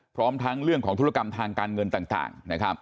พร้อมทั้งเรื่องของธุรกรรมทางการเงินต่าง